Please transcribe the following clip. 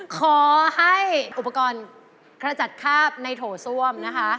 ขอให้อุปกรณ์ขจัดคาบในโถส้วมนะคะ